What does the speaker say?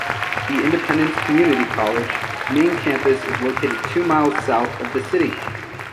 The Independence Community College main campus is located two miles south of the city.